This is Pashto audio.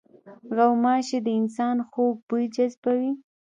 غوماشې د انسان خوږ بوی جذبوي.